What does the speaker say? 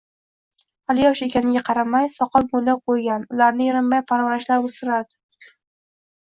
Hali yosh ekaniga qaramay soqol-mo`ylov qo`ygan, ularni erinmay parvarishlab o`stirardi